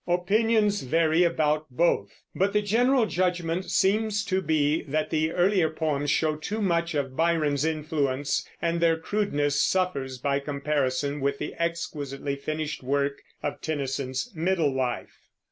Opinions vary about both; but the general judgment seems to be that the earlier poems show too much of Byron's influence, and their crudeness suffers by comparison with the exquisitely finished work of Tennyson's middle life.